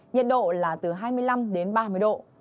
nhiệt độ là từ hai mươi năm đến ba mươi độ